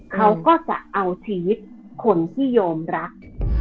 เขาก็จะเอาชีวิตคนที่ยอมรัก